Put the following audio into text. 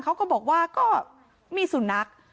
เขาก็บอกว่าก็มีสุนัข